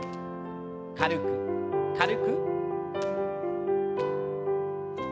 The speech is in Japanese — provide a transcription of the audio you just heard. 軽く軽く。